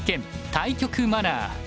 対局マナー」。